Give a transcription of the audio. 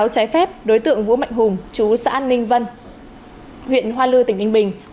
buôn bán pháo trái phép đối tượng vũ mạnh hùng chú xã ninh vân huyện hoa lư tỉnh ninh bình